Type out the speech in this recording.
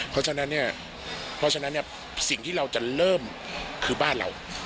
เพราะฉะนั้นเนี่ยเพราะฉะนั้นสิ่งที่เราจะเริ่มคือบ้านเรา